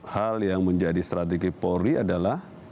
hal yang menjadi strategi polri adalah